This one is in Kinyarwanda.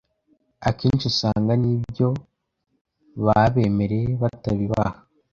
akenshi usanga n’ibyo babemereye batabibaha